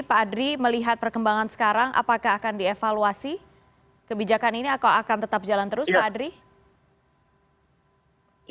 pak adri melihat perkembangan sekarang apakah akan dievaluasi kebijakan ini atau akan tetap jalan terus pak adri